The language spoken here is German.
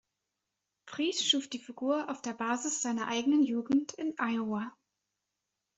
Fries schuf die Figur auf der Basis seiner eigenen Jugend in Iowa.